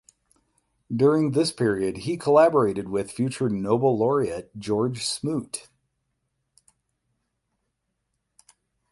During this period he collaborated with future Nobel laureate George Smoot.